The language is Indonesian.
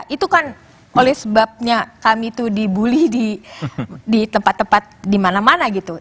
itu kan oleh sebabnya kami itu dibully di tempat tempat di mana mana gitu